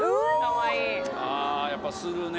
あやっぱするね。